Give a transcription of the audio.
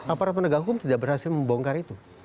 aparat penegak hukum tidak berhasil membongkar itu